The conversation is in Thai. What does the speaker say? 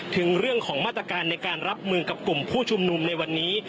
ถึงเรื่องของมาตรการในการรับมือกับกลุ่มผู้ชุมนุมในวันนี้